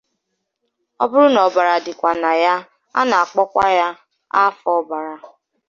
Ọ bụrụ na ọbara dị na ya a na akpọkwa ya afọ ọbara.